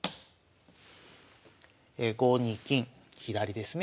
５二金左ですね。